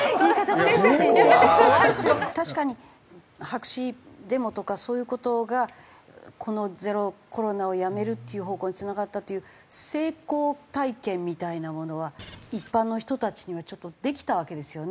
確かに白紙デモとかそういう事がこのゼロコロナをやめるっていう方向につながったという成功体験みたいなものは一般の人たちにはちょっとできたわけですよね。